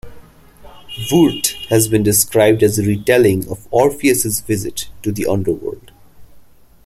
"Vurt" has been described as a retelling of Orpheus' visit to the Underworld.